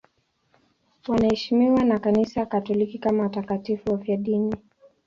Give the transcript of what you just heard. Wanaheshimiwa na Kanisa Katoliki kama watakatifu wafiadini.